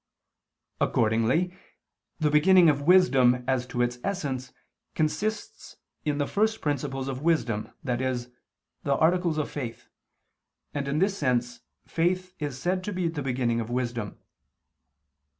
Accordingly the beginning of wisdom as to its essence consists in the first principles of wisdom, i.e. the articles of faith, and in this sense faith is said to be the beginning of wisdom.